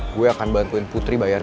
gue akan bantuin putri bayar